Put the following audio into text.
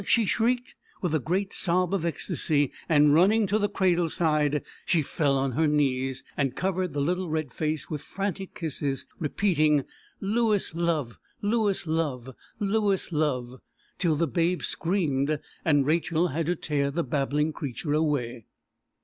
she shrieked, with a great sob of ecstasy; and, running to the cradle side, she fell on her knees, and covered the little red face with frantic kisses, repeating "Lewis love, Lewis love, Lewis love," till the babe screamed, and Rachel had to tear the babbling creature away.